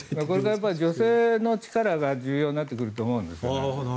これから女性の力が重要になってくると思うんですよね。